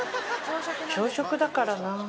小食だからな